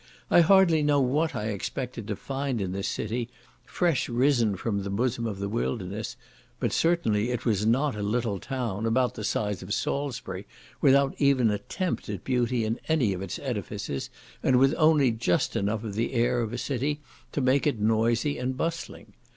I hardly know what I expected to find in this city, fresh risen from the bosom of the wilderness, but certainly it was not a little town, about the size of Salisbury, without even an attempt at beauty in any of its edifices, and with only just enough of the air of a city to make it noisy and bustling.